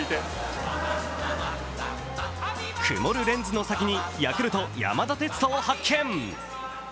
曇るレンズの先にヤクルト・山田哲人を発見。